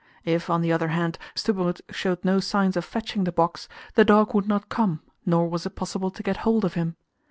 If, on the other hand, Stubberud showed no sign of fetching the box, the dog would not come, nor was it possible to get hold of him.